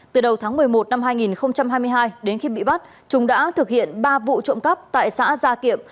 từ đầu tháng một mươi một năm hai nghìn hai mươi hai đến khi bị bắt chúng đã thực hiện ba vụ trộm cắp tại xã gia kiệm